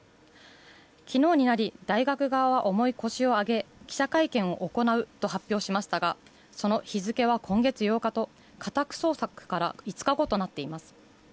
昨日になり大学側は重い腰を上げ記者会見を行うと発表しましたが、その日付は今月８日と、家宅捜索から５日後となっています。